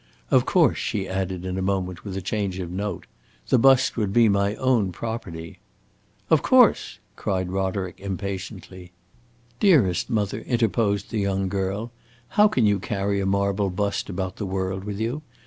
"Of course," she added, in a moment, with a change of note, "the bust would be my own property." "Of course!" cried Roderick, impatiently. "Dearest mother," interposed the young girl, "how can you carry a marble bust about the world with you?